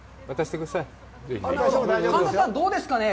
神田さん、どうですかね？